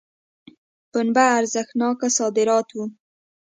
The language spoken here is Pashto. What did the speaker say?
پنبه ارزښتناک صادرات وو.